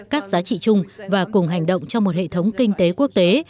các giá trị chung và cùng hành động trong một hệ thống kinh tế quốc tế